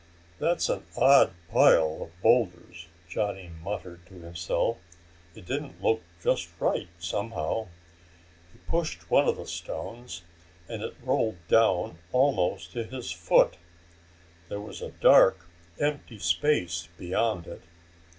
"That's an odd pile of boulders," Johnny muttered to himself. It didn't look just right, somehow. He pushed one of the stones and it rolled down almost to his foot. There was a dark empty space beyond it.